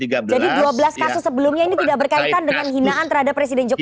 jadi dua belas kasus sebelumnya ini tidak berkaitan dengan hinaan terhadap presiden jokowi